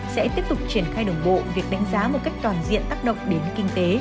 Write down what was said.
sẽ tiếp tục triển khai đồng bộ việc đánh giá một cách toàn diện tác động đến kinh tế